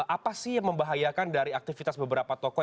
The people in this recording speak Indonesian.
apa sih yang membahayakan dari aktivitas beberapa toko